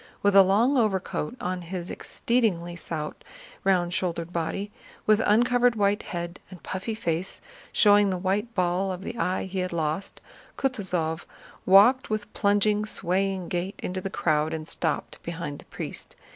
With a long overcoat on his exceedingly stout, round shouldered body, with uncovered white head and puffy face showing the white ball of the eye he had lost, Kutúzov walked with plunging, swaying gait into the crowd and stopped behind the priest.